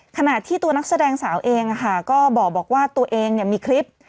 ขนาดที่ตัวนักแสดงสาวเองนะคะก็บอกบอกว่าตัวเองเนี่ยมีคลิป